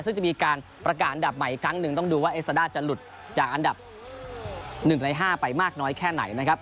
ซึ่งจะมีการประกาศอันดับใหม่อีกครั้งหนึ่งต้องดูว่าเอสซาด้าจะหลุดจากอันดับ๑ใน๕ไปมากน้อยแค่ไหนนะครับ